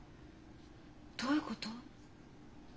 どういうこと？